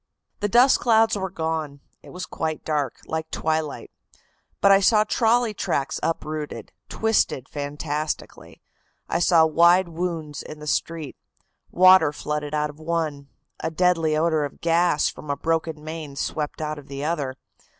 "The dust clouds were gone. It was quite dark, like twilight. But I saw trolley tracks uprooted, twisted fantastically. I saw wide wounds in the street. Water flooded out of one. A deadly odor of gas from a broken main swept out of the other.